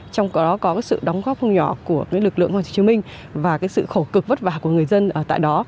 trong đó có sự đóng góp không nhỏ của lực lượng hồ chí minh và sự khổ cực vất vả của người dân ở tại đó